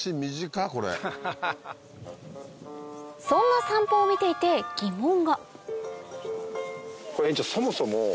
そんな散歩を見ていて疑問が園長そもそも。